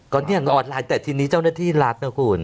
ก็เนี่ยออนไลน์แต่ทีนี้เจ้าหน้าที่รัฐนะคุณ